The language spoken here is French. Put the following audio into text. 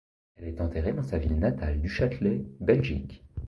Elle est enterrée dans sa ville natale du Châtelet, Belgique.